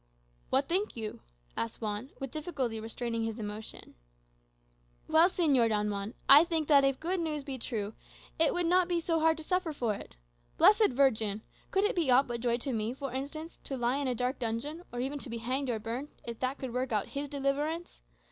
"What think you?" asked Juan, with difficulty restraining his emotion. "Well, Señor Don Juan, I think that if that good news be true, it would not be so hard to suffer for it. Blessed Virgin! Could it be aught but joy to me, for instance, to lie in a dark dungeon, or even to be hanged or burned, if that could work out his deliverance?